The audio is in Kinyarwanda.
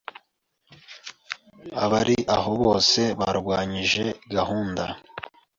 Abari aho bose barwanyije gahunda.